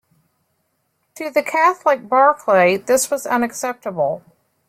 To the Catholic Barclay, this was unacceptable.